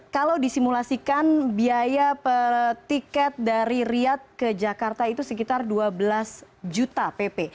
kalau disimulasikan biaya tiket dari riyad ke jakarta itu sekitar dua belas juta pp